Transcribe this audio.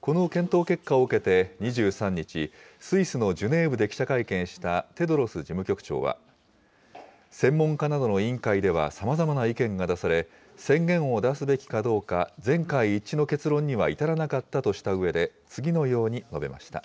この検討結果を受けて２３日、スイスのジュネーブで記者会見したテドロス事務局長は、専門家などの委員会では、さまざまな意見が出され、宣言を出すべきかどうか、全会一致の結論には至らなかったとしたうえで、次のように述べました。